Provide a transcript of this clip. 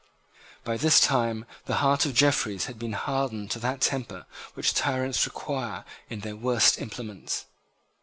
By this time the heart of Jeffreys had been hardened to that temper which tyrants require in their worst implements.